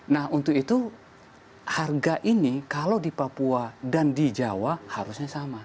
nah untuk itu harga ini kalau di papua dan di jawa harusnya sama